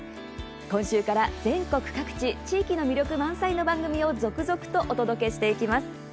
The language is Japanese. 今週から全国各地地域の魅力満載の番組を続々とお届けしていきます。